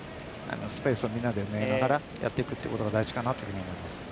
スペースをみんなで埋めながらやっていくということが大事かなと思います。